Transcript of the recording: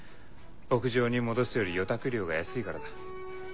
牧場に戻すより預託料が安いからだ。